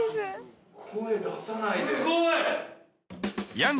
声出さないで。